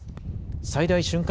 最大瞬間